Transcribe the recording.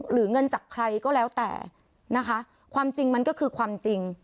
หรือเงินจากใครก็แล้วแต่นะคะความจริงมันก็คือความจริง